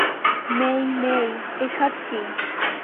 মেই-মেই, এসব কী?